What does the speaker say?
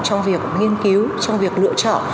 trong việc nghiên cứu trong việc lựa chọn